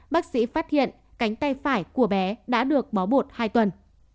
bác sĩ phát hiện cánh tay phải của bé đã được bó bột hai tuần